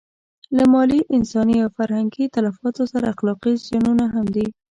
له مالي، انساني او فرهنګي تلفاتو سره اخلاقي زیانونه هم دي.